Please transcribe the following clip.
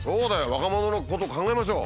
若者のこと考えましょう。